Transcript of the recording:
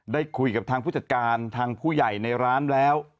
ได้คุยกับทางผู้จัดการทางผู้ใหญ่ในร้านแล้ว